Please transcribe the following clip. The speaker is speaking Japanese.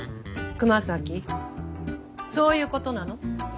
熊咲そういうことなの？